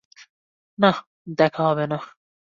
না, দেখা হবে না।